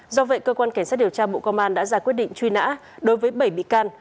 do vậy cơ quan cảnh sát điều tra bộ công an đã ra quyết định truy nã đối với bảy bị can